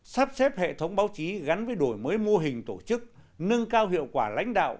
sắp xếp hệ thống báo chí gắn với đổi mới mô hình tổ chức nâng cao hiệu quả lãnh đạo